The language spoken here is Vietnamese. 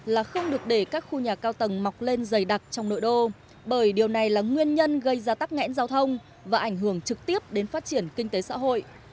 là không được để các khu nhà cao tầng mọc lên dày đặc trong nội đô bởi điều này là nguyên nhân gây ra tắc nghẽn giao thông và ảnh hưởng trực tiếp đến phát triển kinh tế xã hội